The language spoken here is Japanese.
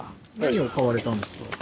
何を買われたんですか？